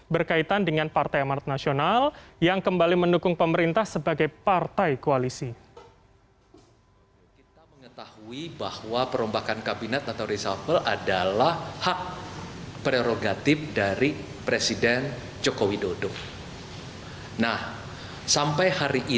berkaitan dengan partai amarat nasional yang kembali mendukung pemerintah sebagai partai koalisi